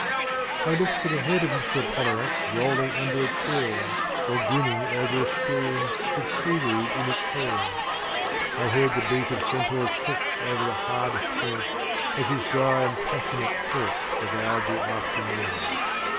I looked for the head of Mr. Apollinax rolling under a chair Or grinning over a screen With seaweed in its hair. I heard the beat of centaur's hoofs over the hard turf As his dry and passionate talk devoured the afternoon.